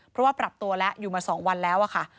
เพราะว่าปรับตัวแล้วอยู่มา๒วันแล้วค่ะ